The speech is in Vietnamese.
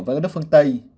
với các nước phương tây